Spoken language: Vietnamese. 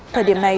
thời điểm này